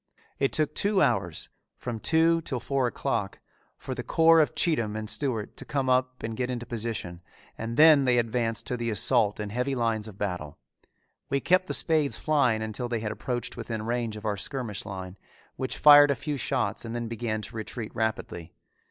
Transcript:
It took two hours, from two till four o'clock, for the corps of Cheatham and Stewart to come up and get into position and then they advanced to the assault in heavy lines of battle. We kept the spades flying until they had approached within range of our skirmish line, which fired a few shots and then began to retreat rapidly.